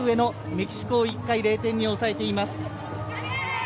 メキシコを１回０点に抑えています。